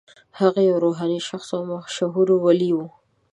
هغه یو روحاني شخص او مشهور ولي و.